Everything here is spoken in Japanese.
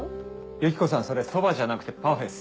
ユキコさんそれそばじゃなくてパフェっす。